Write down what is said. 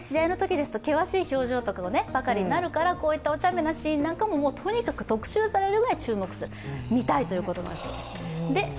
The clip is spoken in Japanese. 試合のときですと険しい表情ばかりになるから、こういったお茶目なシーンなんかも、とにかく特集されるぐらい、見たいということなんですね。